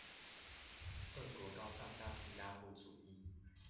俄國高唱大斯拉夫主義